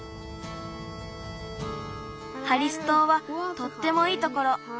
ハリスとうはとってもいいところ。